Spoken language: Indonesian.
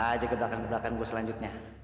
lihat aja gebrakan gebrakan gue selanjutnya